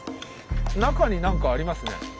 中に何かありますね。